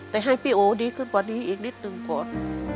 แต่ให้พี่โอดีขึ้นกว่านี้อีกนิดหนึ่งก่อน